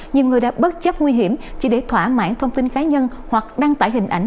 nhiều người đã bất chấp nguy hiểm chỉ để thỏa mãn thông tin cá nhân hoặc đăng tải hình ảnh